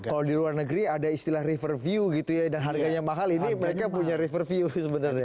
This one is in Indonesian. kalau di luar negeri ada istilah rever view gitu ya dan harganya mahal ini mereka punya rever view sebenarnya